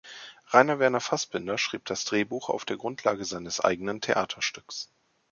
Rainer Werner Fassbinder schrieb das Drehbuch auf der Grundlage seines eigenen Theaterstücks.